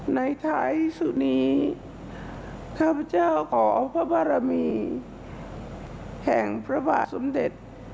ในท้ายสุนี้ข้าพเจ้าขอพระบารมีแห่งพระบาทสมเด็จ